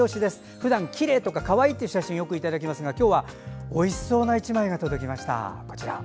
ふだんきれいとかかわいいという写真をよくいただきますが今日は、おいしそうな１枚が届きました。